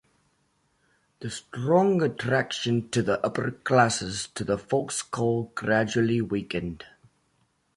The strong attraction to the upper classes to the folkeskole gradually weakened.